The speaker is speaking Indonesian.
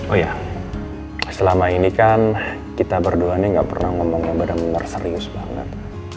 oh iya selama ini kan kita berduanya gak pernah ngomong yang bener bener serius banget